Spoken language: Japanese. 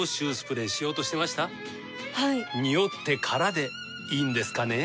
ニオってからでいいんですかね？